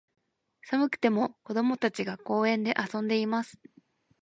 寒くても、子供たちが、公園で遊んでいます。